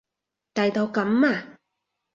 大到噉啊？